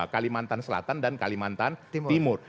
kalimantan selatan dan kalimantan timur